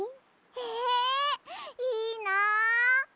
へえいいな！